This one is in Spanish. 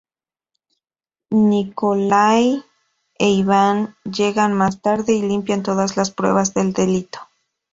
Nikolai e Iván llegan más tarde y limpian todas las pruebas del delito.